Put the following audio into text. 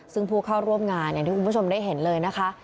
ซึ่งผู้เข้าร่วมงานอย่างที่คุณผู้ชมได้เห็นเลยนะคะ